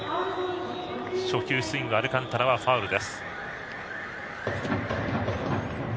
初球、スイングアルカンタラはファウル。